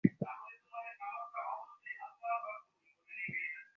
যথেষ্ট বলেছো, ইয়ান।